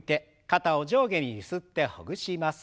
肩を上下にゆすってほぐします。